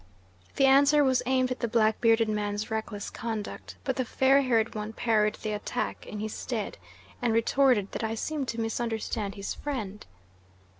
"The answer was aimed at the black bearded man's reckless conduct; but the fair haired one parried the attack in his stead, and retorted that I seemed to misunderstand his friend.